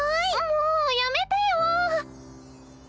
もうやめてよ！